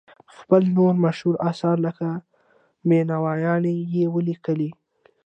خپل نور مشهور اثار لکه بینوایان یې ولیکل.